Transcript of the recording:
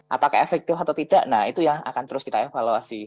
apakah efektif atau tidak nah itu yang akan terus kita evaluasi